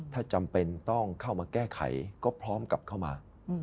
ถ้าจำเป็นต้องเข้ามาแก้ไขก็พร้อมกลับเข้ามา